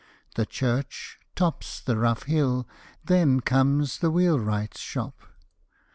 The church Tops the rough hill; then comes the wheelwright's shop.